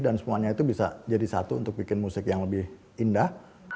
dan semuanya itu bisa jadi satu untuk bikin musik yang lebih indah